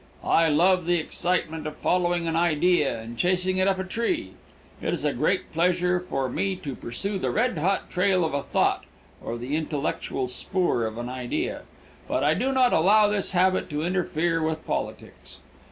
I love the excitement of following an idea and chasing it up a tree. It is a great pleasure for me to pursue the red hot trail of a thought or the intellectual spoor of an idea. But I do not allow this habit to interfere with politics.